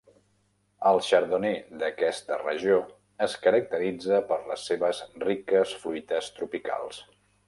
El Chardonnay d'aquesta regió es caracteritza per les seves riques fruites tropicals.